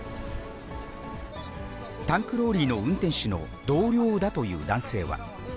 タンクローリーの運転手の同僚だという男性は。